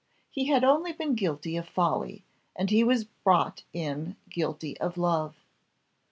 He had only been guilty of Folly, and he was brought in guilty of Love.